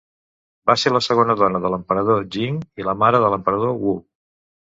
Va ser la segona dona de l'Emperador Jing i la mare de l'Emperador Wu.